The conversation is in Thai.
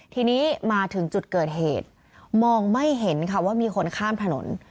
ทีนี้มาถึงจุดเกิดเหตุมองไม่เห็นค่ะว่ามีคนข้ามถนน